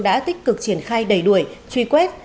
đã tích cực triển khai đầy đuổi truy quét